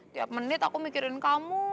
tiap menit aku mikirin kamu